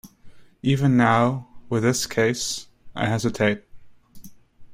And even now, with this case, I hesitate.